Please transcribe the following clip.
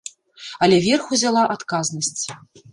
Але верх узяла адказнасць.